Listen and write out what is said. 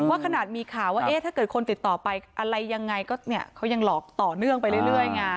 ว่าขนาดมีข่าวว่าเอ๊ะถ้าเกิดคนติดต่อไปอะไรยังไงก็เนี่ยเขายังหลอกต่อเนื่องไปเรื่อยไง